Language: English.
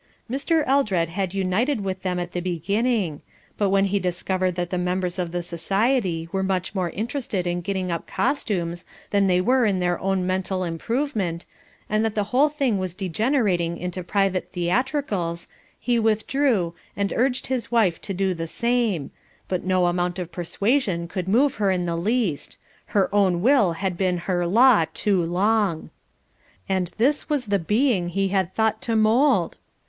Mr. Eldred had united with them in the beginning, but when he discovered that the members of the society were much more interested in getting up costumes than they were in their own mental improvement, and that the whole thing was degenerating into private theatricals, he withdrew, and urged his wife to do the same, but no amount of persuasion could move her in the least; her own will had been her law too long. And this was the being he had thought to mould!